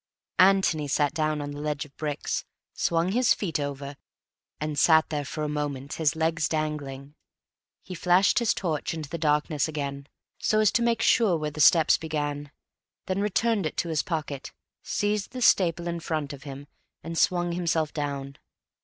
Antony sat down on the ledge of bricks, swung his feet over, and sat there for a moment, his legs dangling. He flashed his torch into the darkness again, so as to make sure where the steps began; then returned it to his pocket, seized the staple in front of him and swung himself down.